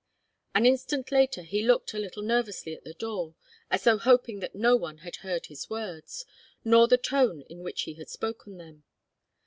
An instant later he looked a little nervously at the door, as though hoping that no one had heard his words, nor the tone in which he had spoken them.